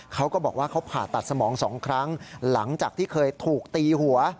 เขาก็บอกว่าเขาผ่าตัดสมอง๒ครั้งหลังจากที่เคยถูกตีหัว